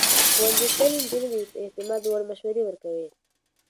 ښوونځی تللې نجونې د اعتماد وړ مشورې ورکوي.